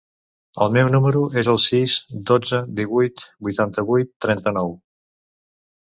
El meu número es el sis, dotze, divuit, vuitanta-vuit, trenta-nou.